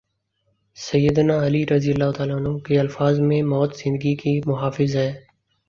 سید نا علیؓ کے الفاظ میں موت زندگی کی محافظ ہے۔